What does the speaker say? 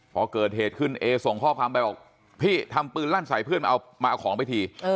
พอเกิดเหตุขึ้นเอส่งข้อความไปบอกพี่ทำปืนลั่นใส่เพื่อนมาเอามาเอาของไปที